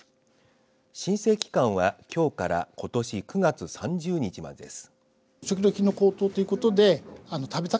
申請期間はきょうからことし９月３０日までです。